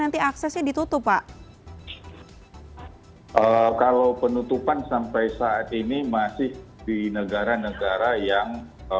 nanti aksesnya ditutup pak kalau penutupan sampai saat ini masih di negara negara yang